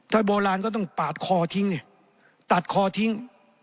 ถ้าโบราณก็ต้องปาดคอทิ้งเนี่ยตัดคอทิ้ง